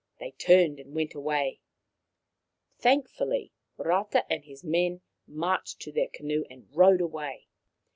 They turned and went away. Thankfully Rata and his men marched to their canoe and rowed away.